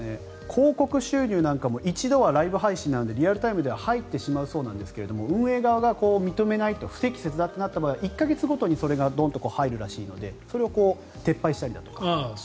広告収入なんかも１度はライブ配信なのでリアルタイムでは入ってしまうそうなんですが運営側が認めないと不適切だとなった場合は１か月ごとにそれがドンと入るらしいのでそれを撤廃したりだとか。